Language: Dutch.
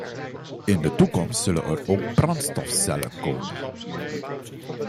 In de toekomst zullen er ook brandstofcellen komen.